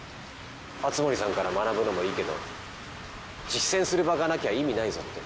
熱護さんから学ぶのもいいけど実践する場がなきゃ意味ないぞって。